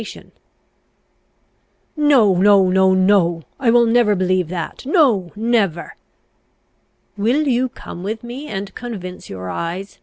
"No, no, no, no! I will never believe that! No, never!" "Will you come with me, and convince your eyes?